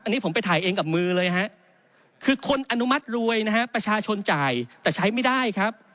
อันนี้ผมไปถ่ายเองกับมือเลยฮะคือคนอนุมัติรวยนะฮะประชาชนจ่ายแต่ใช้ไม่ได้ครับ